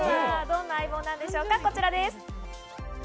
どんな相棒なんでしょうか、こちらです。